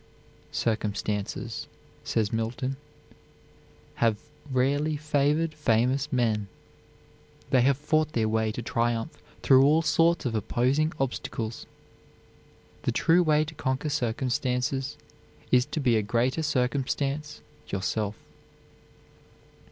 "Circumstances," says Milton, "have rarely favored famous men. They have fought their way to triumph through all sorts of opposing obstacles." The true way to conquer circumstances is to be a greater circumstance yourself.